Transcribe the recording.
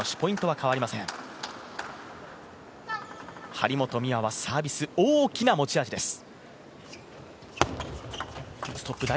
張本美和はサービス、大きな持ち味です。